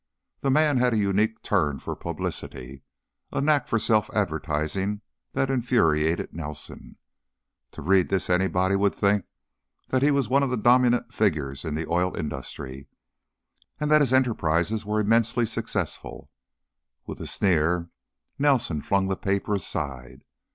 The man had a unique turn for publicity, a knack for self advertising that infuriated Nelson. To read this anybody would think that he was one of the dominant figures in the oil industry, and that his enterprises were immensely successful. With a sneer Nelson flung the paper aside.